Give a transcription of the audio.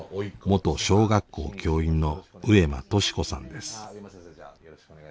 元小学校教員の上間敏子さんです。